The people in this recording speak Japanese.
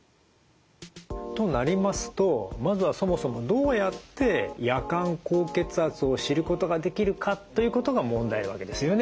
となりますとまずはそもそもどうやって夜間高血圧を知ることができるかということが問題なわけですよね。